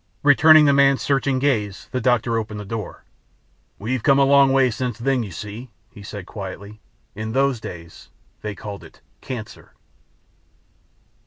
Returning the man's searching gaze, the doctor opened the door, "We've come a long way since then. You see," he said quietly, "in those days they called it 'cancer'."